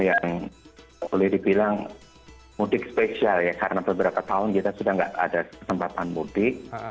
yang boleh dibilang mudik spesial ya karena beberapa tahun kita sudah tidak ada kesempatan mudik